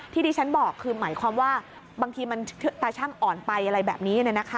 ที่ดิฉันบอกคือหมายความว่าบางทีมันตาชั่งอ่อนไปอะไรแบบนี้